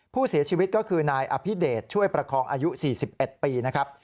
ผู้เสียชีวิตก็คือนายอภิเดชช่วยประคองอายุ๔๑ปีนะครับ